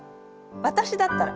私だったら。